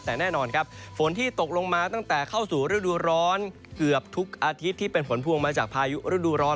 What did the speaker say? แต่แน่นอนครับฝนที่ตกลงมาตั้งแต่เข้าสู่ฤดูร้อนเกือบทุกอาทิตย์ที่เป็นผลพวงมาจากพายุฤดูร้อน